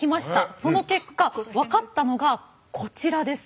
その結果分かったのがこちらです。